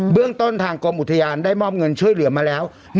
เรื่องต้นทางกรมอุทยานได้มอบเงินช่วยเหลือมาแล้ว